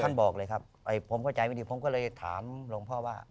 บอกเลยครับผมเข้าใจไม่ดีผมก็เลยถามหลวงพ่อว่า